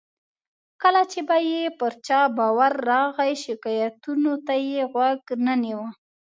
کله چې به یې پر چا باور راغی، شکایتونو ته یې غوږ نه نیو.